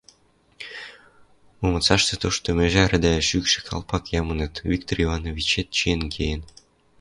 Момоцаштышы тошты мӹжӓр дӓ шӱкшӹ калпак ямыныт, Виктор Ивановичет чиэн кеен.